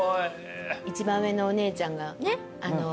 一番上のお姉ちゃんがね